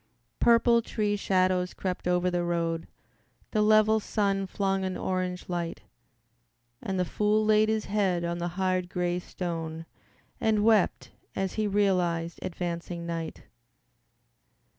Purple tree shadows crept over the road, The level sun flung an orange light, And the fool laid his head on the hard, gray stone And wept as he realized advancing night.